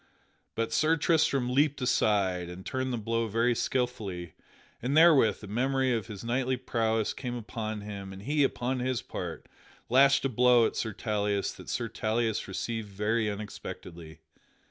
But Sir Tristram leaped aside and turned the blow very skilfully; and therewith a memory of his knightly prowess came upon him and he, upon his part, lashed a blow at Sir Tauleas that Sir Tauleas received very unexpectedly.